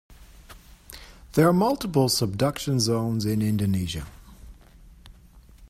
There are multiple subduction zones in Indonesia.